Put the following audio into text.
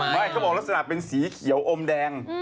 เขาบอกลักษณะเป็นสีเขียวอมแดง